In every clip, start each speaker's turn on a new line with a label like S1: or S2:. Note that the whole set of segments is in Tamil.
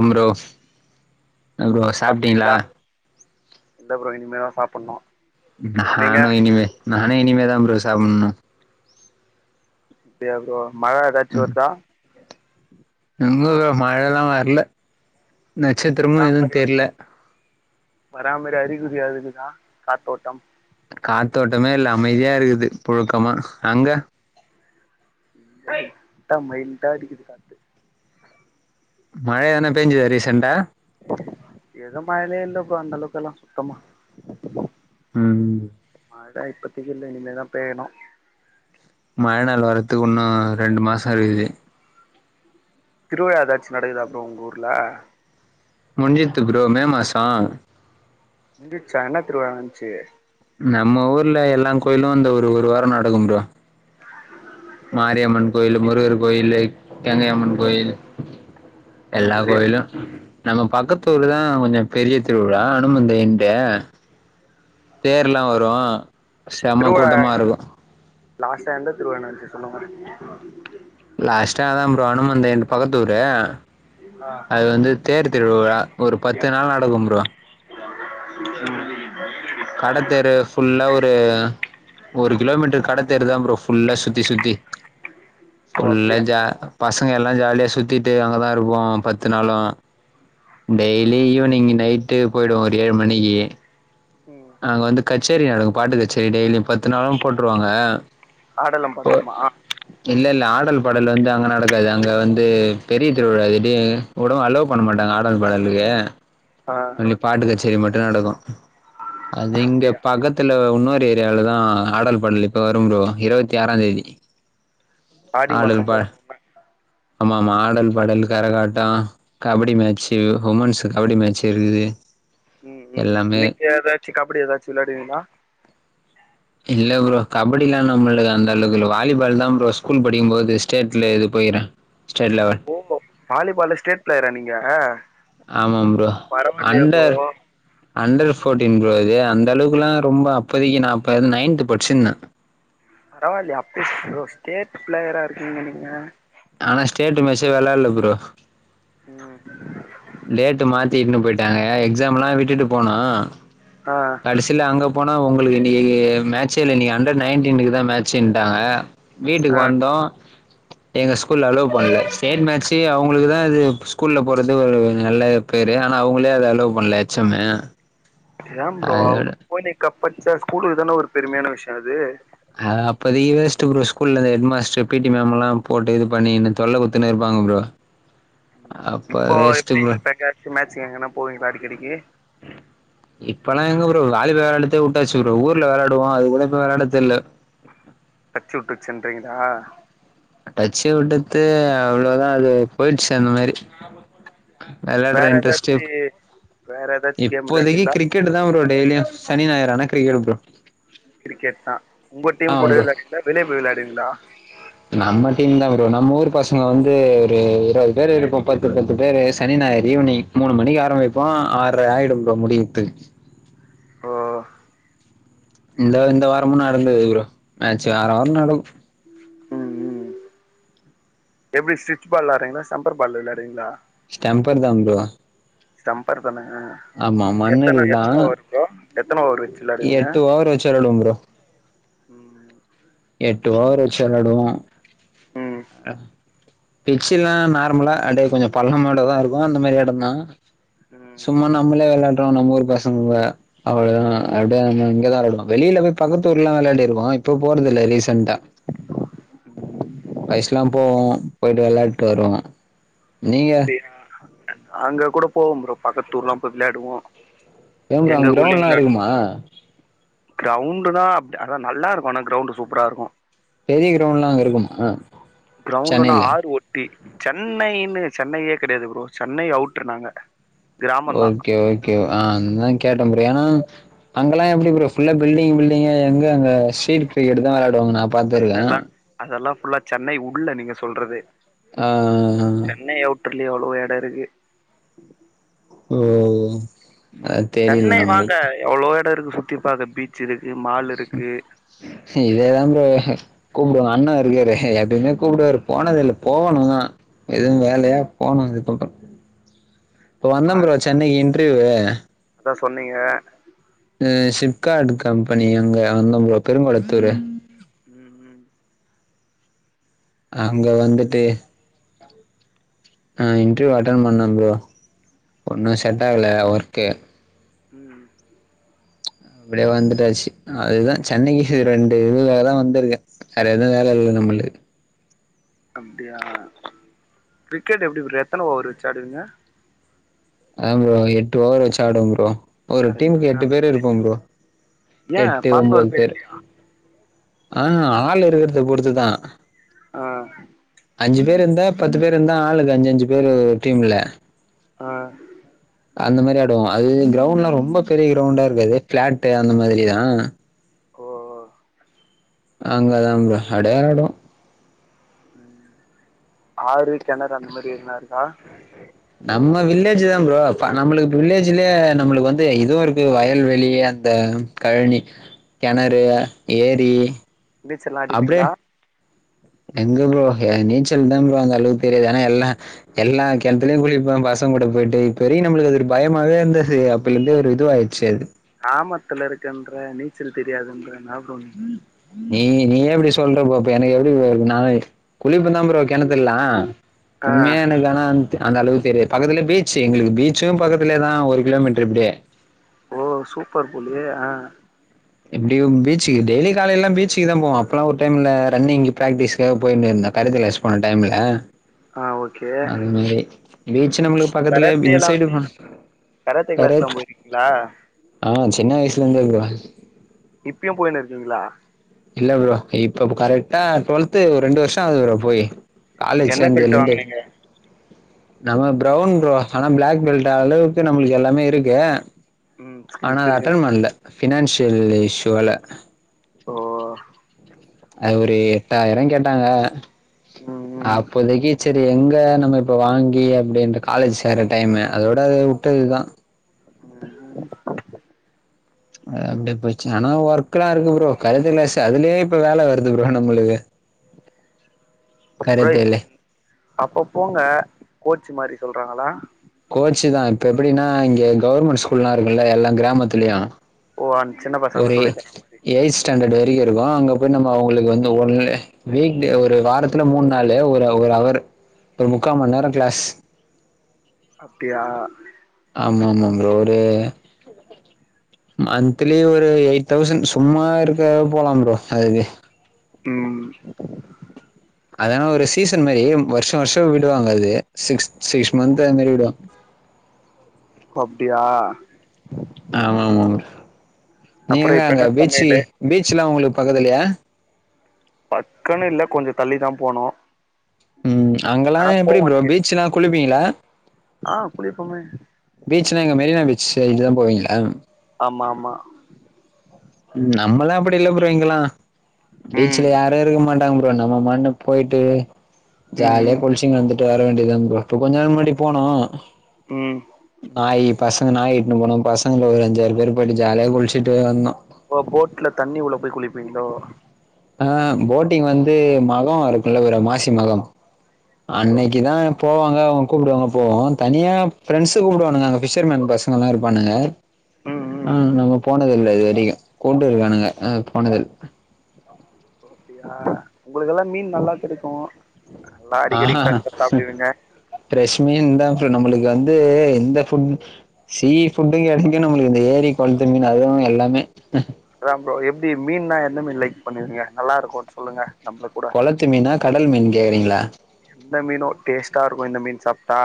S1: அம்ரோ
S2: சாப்ட்டீங்களா இல்ல ப்ரோ இனிமேதா சாப்புட்ணு நீங்க
S1: நானு இனிமே நானு இனிமே தா ப்ரோ சாப்புட்னு
S2: அப்டியா ப்ரோ மழ ஏதாச்சு வர்தா
S1: எங்க ப்ரோ மழலா வர்ல நச்சத்திரமு எதுவு தெர்ல
S2: வரா மாரி அறிகுறி ஏதாது இக்குதா காத்தோட்டம்
S1: காத்தோட்டமே இல்ல அமைதியா இருக்குது புழுக்கமா அங்க
S2: லைட்டா மைல்டா அடிக்குது காத்து
S1: மழ எதனா பெஞ்சதா ரீசன்டா
S2: ஏதோ மழலா இல்ல ப்ரோ அந்தளவுக்கெல்லா சுத்தமா
S1: ம்
S2: அட இப்பத்தைக்கி இல்ல இனிமேதா பேயணு
S1: மழநாள் வரதுக்கு இன்னு ரெண்டு மாசோ இருக்குது
S2: உம் திருவிழா எதாச்சி நடக்குதா ப்ரோ உங்க ஊர்ல
S1: முட்ஞ்சித்து ப்ரோ மேமாசோ
S2: முஞ்சிட்சா என்ன திருவிழா நடஞ்சு
S1: நம்ம ஊர்ல எல்லா கோயிலு அந்த ஒரு ஒரு வாரோ நடக்கும் ப்ரோ
S2: உ
S1: மாரியம்மன் கோயிலு முருகர் கோயிலு கங்கைம்மன் கோயில் எல்லா
S2: அப்டியா
S1: கோயிலு நம்ம பக்கத்தூர் தா கொஞ்சோ பெரிய திருவிழா அனுமந்த எண்ட பேர்லா வரு செம
S2: திருவிழா
S1: கூட்டமா இருக்கு
S2: லாஸ்டா எண்டத் திருவண்ணாச்சி சொன்னுங்க
S1: லாஸ்டாதாம் ப்ரோ அனுமந்த எண்டு பக்கத்தூரு
S2: ஆ
S1: அது வந்து தேர்த் திருவிழா ஒரு பத்து நாள் நடக்கும் ப்ரோ
S2: உஹம்
S1: கடத்தெரு ஃபுல்லா ஒரு ஒரு கிலோமீட்ரு கடத்தெருதாம் ப்ரோ ஃபுல்லா சுத்தி சுத்தி
S2: ஓ
S1: உள்ள
S2: அப்டியா
S1: ஜா பசங்க எல்லா ஜாலியா சுத்திட்டு அங்கதா இருப்போம் பத்து நாளு டெய்லி ஈவினிங்கி நைட்டு போயிடுவோ ஒரு ஏழு மணிகி
S2: ம்
S1: அங்க வந்து கச்சேரி நடக்கு பாட்டு கச்சேரி டெய்லியும் பத்து நாளும் போட்ருவாங்க
S2: ஆடலும் பாடலுமா
S1: இல்ல இல்ல ஆடல் பாடல் வந்து அங்க நடக்காது அங்க வந்து பெரிய திருவிழா எடிய வுடவு அலோவ் பண்ண மாட்டாங்க ஆடல் பாடலுகே
S2: ஆ
S1: என்னிப் பாட்டு கச்சேரி மட்டு நடக்கு அது இங்கப்
S2: அப்டியா
S1: பக்கத்துல வுன்னொரு ஏரியாலதா ஆடல் படல் இப்ப வரும் ப்ரோ இருவத்தி ஆறாந்தேதி
S2: ஆடி மாச போ
S1: ஆமா ஆமா ஆடல் பாடல் கரகாட்டோ கபடி மேட்சு உமன்ஸ் கபடி மேட்சே இருகுது
S2: ம் ம் நீங்க ஏதாச்சு கபடி எதாச்சு விளாடுவீங்ளா
S1: இல்ல ப்ரோ கபடிலா நம்ளுகு அந்தளவுகு இல்ல வாலிபால்தா ப்ரோ ஸ்கூல் படிக்கும்போது ஸ்டேட்ல இது போய்கிறே ஸ்டேட் லெவல்
S2: ஓ வாலிபாலு ஸ்டேட் பிளேயரா நீங்க
S1: ஆமாம் ப்ரோ
S2: பரவாயில்லையே bro
S1: under under fourteen bro அது அந்தளவுக்குலா ரொம்ப அப்போதிக்கு நா அப்ப நைன்த்து படிச்சிந்தே
S2: பரவால்லியே அப்யேச் ப்ரோ ஸ்டேட் பிளேயரா இருக்கீங்க நீங்க
S1: ஆனா ஸ்டேட்டு மேச்சே வெளால்ல ப்ரோ
S2: ம்
S1: டேட்டு மாத்திட்னு போயிட்டாங்க எக்ஸாம்லா விட்டுட்டுப் போனோ
S2: அ
S1: கடைசில அங்கப் போனா உங்குளுக்கு இன்னகி மேட்சே இல்ல இன்னகி அண்டர்ட் நைன்டீனுக்குதா மேட்ச்சின்டாங்க வீட்டுகு
S2: ஆ
S1: வந்தோ எங்க ஸ்கூல்ல அலோவ் பண்ல சேட் மேச்சி அவுங்ளுக்குதா இது இப்ப ஸ்கூல்ல போறது ஒரு நல்லப் பேரு ஆனா அவுங்களே அத அலோவ் பண்ல எச்சம்மே
S2: ஏம் ப்ரோ போய் நீ கப்பட்ச்சா ஸ்கூலுக்கு தானே ஒரு பெரும்யான விஷய அது
S1: அத அப்பதிகு யோஸ்ட்ட ப்ரோ ஸ்கூல்ல இந்த ஹெட் மாஸ்ட்ருப் பி டி மேம் எல்லாம் போட்டு இது பண்ணினு தொல்ல குத்துனு இருப்பாங்க ப்ரோ அப்ப
S2: இப்போ
S1: வேஸ்ட்டு
S2: எப்டி
S1: ப்ரோ
S2: இப்பகாச்சு மேச்சுக்கு எங்கனாப் போவீங்களா அடிக்கடிக்கி
S1: இப்பலா எங்க ப்ரோ வாலிபால் வெளாடுத்தே வுட்டாச்சு ப்ரோ ஊர்ல வெளாடுவோ அது கூட இப்ப வெளாடது இல்ல
S2: டச்சி வுட்ருச்சின்றிங்ளா
S1: டச்சி வுட்டுத்து அவ்ளோதா அது போயிட்ச்சு அந்த மாரி வெளாட்ற
S2: வேற ஏதாச்சு
S1: இன்ட்ரெஸ்ட்டேப்
S2: வேற ஏதாச்சு கேம்
S1: இப்போதைக்கிக்
S2: விளையாடுவீங்களா
S1: கிரிக் கெட்டுதாம் ப்ரோ டெய்லியு சனி ஞாயிறு ஆனா கிரிக்கெட்டு ப்ரோ
S2: கிரிக்கெட்தா வுங்க
S1: ஆ
S2: டீம் கூடோ
S1: ப்ரோ
S2: வெளையாடிந்தா வெளியப் போய் வெளையாடிங்ளா
S1: நம்ம டீம்தா ப்ரோ நம்ம ஊர் பசங்க வந்து ஒரு இருவது பேரு இருப்போம் பத்து பத்து பேரு சனி ஞாயிறு ஈவினிங் மூனு மணிக்கு ஆரம்பிப்போ ஆர்ற ஆய்டும் ப்ரோ முடியர்த்துகு
S2: ஓ
S1: இந்த இந்த வாரமு நடந்தது ப்ரோ மேட்ச்சு வார வாரமு நடக்கு
S2: ம் ம் எப்டி ஸ்டிச் பால் விளாட்றீங்ளா சம்பர் பால் விளாட்றீங்ளா
S1: ஸ்டெம்பர் தா ப்ரோ
S2: ஸ்டம்பர் தான
S1: ஆமா மண்ணில்
S2: எத்தன
S1: தா
S2: எத்தன ஓவர் ப்ரோ எத்தன ஓவர் வெச்சு
S1: எட்டு ஓவர் வெச்சு வெளாடுவோ ப்ரோ
S2: ம்
S1: எட்டு ஓவர் வெச்சு வெளாடுவோ
S2: ம்
S1: அ பிச்சில்லா நார்மலா அப்டே கொஞ்ச பள்ள மேடா தா இருக்கு அந்த மாரி எடந்தா
S2: ம்
S1: சும்மா நம்மளே விளாட்றோ நம்ம ஊர் பசங்க அவ்ளோ தா அப்டியே நாங்க இங்க தா விளாடுவோ வெளில போய் பக்கத்தூர்லிலா வெளாடிருக்கோ இப்ப போறதில்ல ரீசன்ட்டா
S2: ம்
S1: பாய்ஸ்லா போவோ போயிட்டு வெளாடிட்டு வருவோ நீங்க
S2: அங்க கூட போவோ ப்ரோ பக்கத்தூர்லா போய் விளாடுவோ
S1: ஏங் ப்ரோ அங் க்ரவுண்ட்லா இருக்குமா
S2: க்ரவுண்டு தா அப்டே அதா நல்லா இருக்கு ஆனா க்ரவுண்டு் சூப்பரா இருக்கு
S1: பெரிய க்ரவுண்ட்லா அங்க இருக்குமா
S2: க்ரவுண்டுன்னா
S1: சென்னைல
S2: ஆறு ஒட்டி சென்னைன்னு சென்னையே கெடையாது ப்ரோ சென்னை அவுட்டர் நாங்க கிராமந்தா
S1: ஓகே ஓகே ஆ அதுதா கேட்ட ப்ரோ ஏனா அங்கல்லா எப்டி ப்ரோ ஃபுல்லா பில்டிங்கு பில்டிங்கு எங்க அங்க ஸ்ட்ரீட் கிரிக்கெட்டு தா வெளாடுவாங்க நா பாத்துருக்கே
S2: அதெல்லா அதெல்லா ஃபுல்லா சென்னை உள்ள நீங்க சொல்றது
S1: ஆ ஆ
S2: சென்னை அவுட்டர்லே எவ்ளோ எடோ இருக்கு
S1: ஓ அத்
S2: சென்னை வாங்க எவ்ளோ எடோ இருக்கு சுத்தி பாக்க பீச் இருக்கு மால் இருக்கு
S1: இதே தா ப்ரோ கூப்டுவா அண்ண இருக்காரு எப்பைமே கூப்டுவாரு போனதில்ல போவணு தா எதுவு
S2: வாங்க
S1: வேலையா போனு அது பக்கோ இப்ப வந்த ப்ரோ
S2: வாங்க
S1: சென்னைக்கு இன்ட்ர்யூவு
S2: அதா சொன்னீங்க
S1: அ ஷிப்கார்டு கம்பெனி அங்க வந்த ப்ரோ பெருங்கொளத்தூரு
S2: ம் ம்
S1: அங்க வந்துட்டு ச ஆ இன்ட்ர்யூவ் அட்டென் பண்ணே ப்ரோ ஒன்னு செட் ஆகல ஒர்க்கு
S2: ம்
S1: அப்டியே வந்துட்டாச்சு அது தா சென்னைக்கு ரெண்டு இதுக்காக தா வந்திருக்கே வேற எது வேல இல்ல நம்மளு
S2: அப்டியா கிரிக்கெட் எப்டி ப்ரோ எத்தன ஓவர் வெச்சு ஆடுவீங்க
S1: அதா ப்ரோ எட்டு ஓவர் வெச்சு ஆடுவோ ப்ரோ ஒரு
S2: கரெக்ட்
S1: டீமுக்கு எட்டு பேரு
S2: நாங்களா
S1: இருப்போ
S2: எட்டு தா
S1: ப்ரோ
S2: ஏ
S1: எட்டு
S2: பதினோரு
S1: ஒம்போது
S2: பேர்
S1: பேரு
S2: இல்லையா
S1: ஆ ஆள் இருக்கறத பொறுத்து தா
S2: ஆ
S1: அஞ்சு பேர்ருந்தா பத்து பேர்ருந்தா ஆளுக்கு அஞ்சு அஞ்சு பேரு டீம்ல
S2: ஆ
S1: அந்த மாரி ஆடுவோ அது கிரௌண்ட்னா ரொம்ப பெரிய கிரௌண்டா இருக்காது பிளாட்டு் அந்த மாதிரி தா
S2: ஓ ஓ
S1: அங்கே தா ப்போ அடையாடும்
S2: ஆறு கிணறு அந்த மாரி எதுனா இருக்கா
S1: நம்ம வில்லேஜ் தா ப்ரோ ப நம்மளுக்கு வில்லேஜ்லயே நம்மளுக்கு வந்து இதுவு இருக்கு வயல்வெளி அந்த கழனி கெணறு ஏரி
S2: நீச்ச எல்லா
S1: அப்டியே
S2: அடிப்பீங்ளா
S1: எங்க ப்ரோ எ நீச்சல் தா ப்ரோ அந்த அளவுக்கு தெரியாது ஆனா எல்லா எல்லா கெணத்துலயு குளிப்பே பசங் கூட போயிட்டு இ பெரிய நம்மளுக்கு அது ஒரு பயமாவே இருந்தது அப் இப்பந்து ஒரு இதுவாயிச்சு
S2: ஆமா [unintelligible] கெணத்துல நீச்சல் தெரியாதுன்ப நா போ
S1: நீ நீயே இப்டி சொல்ற போ அப்ப எனக்கு எப்டி போ இருக் நா குளிப்பே தா ப்ரோ கிணத்துல்லா
S2: ஆ
S1: உண்மையா எனக்கு ஆனா அந்த அளவுக்கு தெரிய பக்கத்துல பீச்சு எங்களுக்கு பீச்சும் பக்கத்துலேதா ஒரு கிலோமீட்டர் இப்டியே
S2: ஓ சூப்பர் போலே ஆ
S1: எப்டியு பீச்சுக்கு டெய்லி காலேலலா பீச்சுக்கு தா போவோ அப்ல்லா ஒரு டைம்ல ரன்னிங்கு ஃப்ராக்டிஸ் போயினு இருந்த கருத்தல ஸ் போன டைம்ல
S2: ஆ ஓகே
S1: அது மேரி பீச்சு நம்ளுக்கு பக்கத்துலேயே பி
S2: கராத்தேலா
S1: இன்சைடு மா
S2: கராத்தே கிளாஸ் லா போயிருக்கீங்ளா
S1: ஆ சின்ன வயசுல இந்தே ப்ரோ
S2: இப்பயு போயினு இருக்கீங்களா
S1: இல்ல ப்ரோ இப்ப கரெக்டா டுவல்து ஒரு ரெண்டு வருஷோ அகுது ப்ரோ போயி காலஜ்
S2: என்ன
S1: சேந்ததுல
S2: பெல்ட்
S1: இந்து
S2: வாங்குனீங்க
S1: நம்ம ப்ரௌன் ப்ரோ ஆனா பிளாக் பெல்ட் அளவுக்கு நம்மளுக்கு எல்லாமே இருக்கு
S2: ம்
S1: ஆனா
S2: ஸ்கில்ஸ்
S1: அத அட்டென்
S2: இருக்குன்றீங்க
S1: பண்ல ஃபினான்ஷியல் இஷ்யூ வால
S2: ஓ
S1: அ ஒரு எட்டாயிர கேட்டாங்க
S2: ம் ம்
S1: அப்போதைக்கு சே து எங்க நம்ம இப்ப வாங்கி அப்டின்ற காலேஜ் சேற டைமு அதோட அது விட்டதுதா
S2: உஹம்
S1: அ அந்த இப்ப சென ஒர்க்ரா இருக்கு ப்ரோ கடசில சதுலையே இப்ப வேல வருது ப்ரோ நம்மளுக்கு கராத்தேல
S2: [unintelligible] அப்ப போங்க கோச்சு மாதிரி சொல்றாங்களா
S1: கோச்சு தா இப்ப எப்டினா இங்க கவர்மெண்ட் ஸ்கூல்லா இருக்குல்ல எல்லா கிராமத்துலயு
S2: ஓ அஞ் சின்ன
S1: ஒரு
S2: பசங்களுக்கு சொல்லி
S1: எய்த்
S2: தர மாரி
S1: எய் ஸ்டாண்டர்ட் வரைக்கு இருக்கு அங்க போய் நம்ம அவங்களுக்கு வந்து ஒன்னு வீக் டே ஒரு வாரத்துல மூணு நாள் ஒரு ஒரு அவர் த முக்கா மண் நேர கிளாஸ்
S2: அப்டியா
S1: ஆமா ஆமா ப்ரோ ஒரு மண் த்திலி ஒரு எயிட் தௌசண்ட் சும்மா இருக்க போலாம் ப்ரோ அதுக்கு
S2: ம்
S1: அதான ஒரு சீசன் மாரி வருஷோ வருஷோ விடுவாங்க அது சிக்ஸ் சிக்ஸ் மந்த் அது மாரி விடுவாங்க
S2: ஒப்டியா
S1: ஆமா ஆமா போ
S2: அப்றோ
S1: நீங்க
S2: இப்ப
S1: அங்க
S2: என்ன
S1: பீச்சு
S2: சமையலு
S1: பீச்ல்லா ஒங்களுக்கு பக்கத்துலையா
S2: பக்கன்னு இல்ல கொஞ்ச தள்ளி தான் போனு
S1: ம் அங்கல்லா
S2: ஆனா
S1: எப்டி
S2: போவோ
S1: பரோ
S2: அடிக்கடி
S1: பீச்னா குளிப்பீங்ளா
S2: ஆ குளிப்போமே
S1: பீச்னா எங்க மெரினா பீச்சு இதுதா போவீங்களா
S2: ஆமா ஆமா
S1: நம்மல்லா அப்படி இல்ல ப்ரோ இங்கல்லா
S2: ம்
S1: பீச்சில யா ரு இருக்க மாட்டாங்க ப்ரோ நம்ம மாட்னு போய்ட்டு
S2: ம்
S1: ஜாலியா
S2: ம்
S1: குளிச் சின் வந்துட்டு வர வேண்டியதா ப்ரோ இப் கொஞ்ச நாள் முன்னாடி போனோ
S2: ம்
S1: நாயி பசங்க நாய் இட்னு போனோ பசங்கல ஒரு அஞ்சாறு பேரு போய்ட்டு ஜாலியா குள்ச்சுட்டு வந்தோ
S2: ஓ போட்ல தண்ணி உள்ள போய் குளிப்பீங்ளோ
S1: அஆ போட்டிங் வந்து மகோ இருக்குல்ல ஒரு மாசி மகோ அன்னைக்கிதா போவாங்க அவுங் கூப்டுவாங்க போவோ தனியா ஃப்ரெண்ட்ஸு கூப்டுவானுங்க அங்க ஃபிஷ்ஷர்மேன் பச ங்கல்லா இருப்பானுங்க
S2: ம் ம்
S1: ஆ நம்ம போனதில்ல இது வெரிக்கு கூப்ட்டு இருக்கானுங்க ஆனா போனதில்
S2: அப்டியா உங்களுக்கெல்லா மீன் நல்லா கெடைக்கு நல்லா அடிக்கடி ஃப்ரெஷ்ஷா
S1: ஆஹா
S2: சாப்டுவீங்க
S1: ஃப்ரெஷ் மீன் தா ப்ரோ நம்மளுக்கு வந்து எந்த ஃபுட் சீ ஃபுட்டு எது வேணு உங்குளுக்கு இந்த ஏரி கொள்த்து மீன் அதுவு எல்லாமே
S2: அதா ப்ரோ எப்டி மீன்லா எந்த மீன் லைக் பண்ணுவீங்க நல்லா இருக்குன் சொல்லுங்க நம்ப்ளுக்
S1: கொளத்து மீனா கடல் மீன் கேக்றீங்ளா
S2: எந்த மீனோ டேஸ்ட்டா இருக்கு இந்த மீன் சாப்ட்டா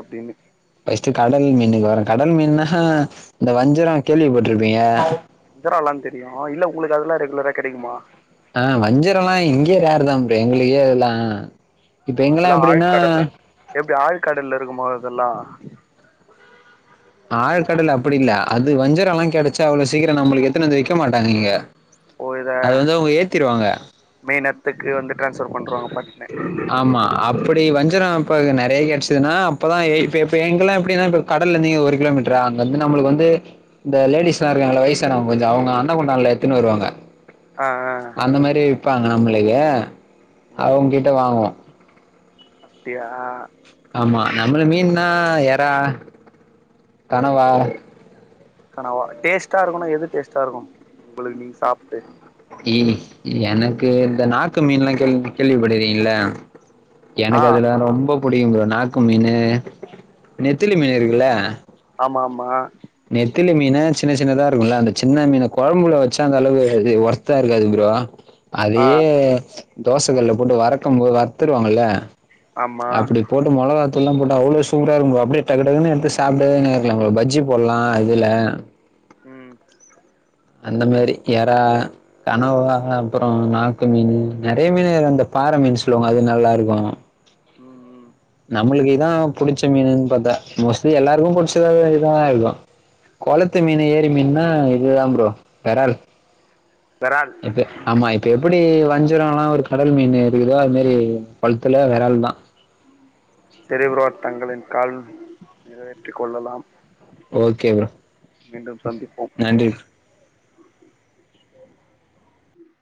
S2: அப்டீனு
S1: ஃபஸ்ட்டு கடல் மீனுக்கு வரே கடல் மீன்னா இந்த வஞ்சர கேள்விப்பட்ருப்பீங்க
S2: வஞ்சரோ எல்லா தெரியு இல்ல உங்களுக்கு அதெல்லா ரெகுலரா கெடைக்குமா
S1: ஆ வஞ்சரோல்லா இங்க்யே ராரு தா ப்ரோ எங்களுக்கே அதெல்லா
S2: ஓ
S1: இப்ப இங்கெல்லா
S2: அதெல்லா
S1: எப்படீனா
S2: ஆழ்கடல்ல எப்டி ஆழ்கடல்ல இருக்குமா அதெல்லா
S1: ஆழ்கடல் அப்படினில்ல அது வஞ்சரோ எல்லா கெடச்சா அவ்ளோ சீக்கிர நம்மளுக்கு எத்துன் வந்து விக்க மாட்டாங் இங்க அது வந்து அவுங்க ஏத்திருவாங்க
S2: மெய்ன் எட்த்துக்கு வந்து டிரான்ஸஃபர் பண்ருவாங்க பட்னு
S1: ஆமா அப்படி வஞ்சரோ இப்ப இங்க நெறைய கெட்ச்சதுன்னா அப்பதா எ இப்ப எப்பி இங்கெல்லா எப்டினா இப்ப கடலந்து இங்க ஒரு கிலோமீட்டரா அங் வந்து நம்மளுக்கு வந்து இந்த லேடிஸ்லா இருக்காங்கள வய்சானவங் கொஞ்ச அவுங்க அண்ணகுண்டான்ல எத்துனு வருவாங்க
S2: ஆ ஆ
S1: அந்த மாரி விப்பாங்க நம்மளுக்கு
S2: ம்
S1: அவுங்கிட்ட வாங்குவோ
S2: அப்டியா
S1: ஆமா நம்மளுக் மீன்னா எறா கனவா
S2: கனவா டேஸ்ட்டா இருக்குனா எது டேஸ்ட்டா இருக்கு உங்களுக்கு நீங் சாப்ட்டு
S1: எ எனக்கு இந்த நாக்கு மீன்ல்லா கேள்வி கேள்விப்பட்டுக்றீங்கல
S2: ஆ
S1: எனக்கு அதுல ரொம்ப புடிக்கும் ப்ரோ நாக்கு மீனு நெத்திலி மீன் இருக்குல
S2: ஆமா ஆமா
S1: நெத்திலு மீன சின்ன சின்னதா இருக்குல்ல அந்த சின்ன மீன கொழம்புல வெச்சா அந்தளவு இது ஒர்த்தா இருக்காது ப்ரோ
S2: ஆ
S1: அதையே தோச கல்ல போட்டு வரக்கும் போத் வர்த்துருவாங்கல
S2: ஆமா
S1: அப்படி போட்டு மொளகாத்தூள்லாம் போட்டு அவ்ளோ சூப்பரா இருக்கும் ப்ரோ அப்புடே டக்கு டக்குனு எட்த்து சாப்டுனு இருக்கலா ப்ரோ பஜ்ஜி போட்லா இதுல
S2: ம்
S1: அந்த மாரி எறா கனவா அப்புறோ நாக்கு மீனு நெறைய மீனு இரு அந்த பாற மீன் சொல்லுவாங்க அது நல்லா இருக்கு
S2: ம் ம்
S1: நம்மளுக்கு இதா புடிச்ச மீனுன் பாத்தா மோஸ்ட்லி எல்லாருக்கு புட்ச்சதாவே இதா இருக்கு கொளத்து மீன் ஏறி மீன்னா இதுதா ப்ரோ விரால்
S2: வெரால்
S1: இப்ப ஆமா இப் இப்ப எப்டி வஞ்சிரோலா ஒரு கடல் மீன் இருக்குதோ அது மாரி கொள்த்துல விரால் தா
S2: செரி ப்ரோ தங்களின் கால் நிறைவேற்றிக் கொள்ளலாம்
S1: ஓகே ப்ரோ
S2: மீண்டும் சந்திப்போம்
S1: நன்றி